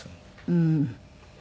うん。